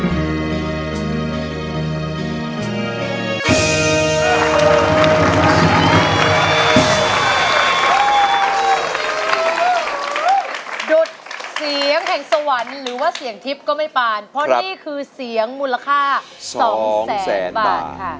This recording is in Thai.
หยุดเสียงแห่งสวรรค์หรือว่าเสียงทิพย์ก็ไม่ปานเพราะนี่คือเสียงมูลค่าสองแสนบาทค่ะ